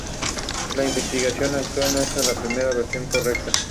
En el sur erigió el curato de Nuestra Señora del Carmen de Patagones.